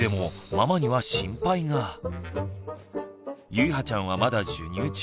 ゆいはちゃんはまだ授乳中。